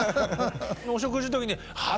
お食事の時にああ